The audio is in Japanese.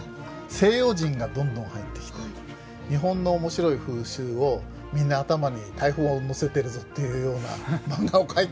西洋人がどんどん入ってきて日本の面白い風習をみんな頭に大砲を載せてるぞっていうようなマンガを描いたわけです。